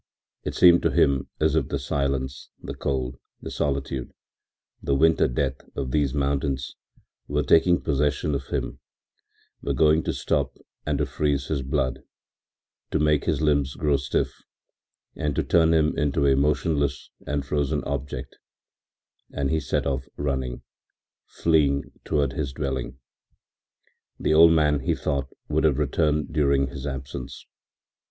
It seemed to him as if the silence, the cold, the solitude, the winter death of these mountains were taking possession of him, were going to stop and to freeze his blood, to make his limbs grow stiff and to turn him into a motionless and frozen object, and he set off running, fleeing toward his dwelling. The old man, he thought, would have returned during his absence.